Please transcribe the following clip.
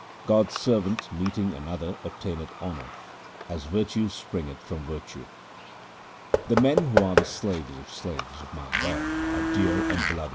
God's servant meeting another obtaineth honour, as virtue springeth from virtue. The men who are the slaves of slaves of my God are dear and beloved by me. 1 That is, the mind.